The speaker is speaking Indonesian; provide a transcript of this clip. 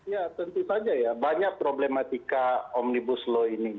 ya tentu saja ya banyak problematika omnibus law ini